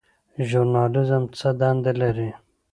ژورنالیزم څه دنده لري؟